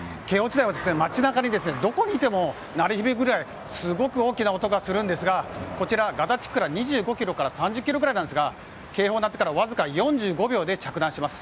街中のどこにいても鳴り響くぐらいすごく大きな音がするんですがこちら、ガザ地区から２５ｋｍから３０ｋｍぐらいなんですが警報が鳴ってから４５秒で着弾します。